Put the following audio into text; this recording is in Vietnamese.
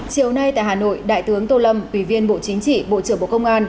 chiều nay tại hà nội đại tướng tô lâm ủy viên bộ chính trị bộ trưởng bộ công an